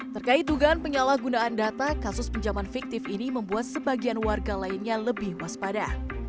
terkait dugaan penyalahgunaan data kasus pinjaman fiktif ini membuat sebagian warga lainnya lebih waspada